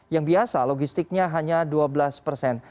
yang biasa logistiknya hanya dua belas persen